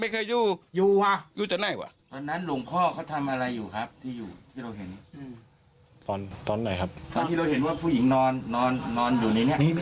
ตอนที่เราเห็นว่าผู้หญิงนอนอยู่ในนี้